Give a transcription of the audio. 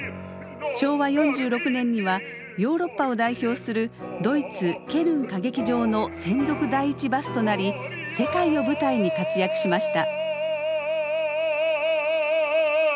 昭和４６年にはヨーロッパを代表するドイツ・ケルン歌劇場の専属第１バスとなり世界を舞台に活躍しました。